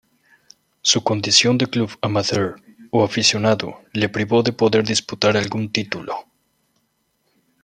Su condición de club "amateur" o aficionado le privó de poder disputar algún título.